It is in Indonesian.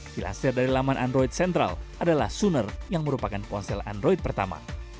dilansir dari laman android sentral adalah sooner yang merupakan ponsel android pertama